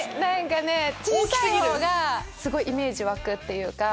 小さいほうがイメージ湧くっていうか。